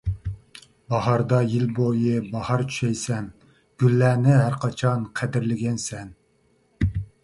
باھاردا يىل بويى باھار چۈشەيسەن، گۈللەرنى ھەرقاچان قەدىرلىگەن سەن.